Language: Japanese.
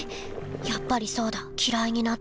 やっぱりそうだきらいになったんだ。